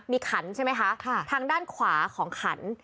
มีขันใช่ไหมคะทางด้านขวาของขัน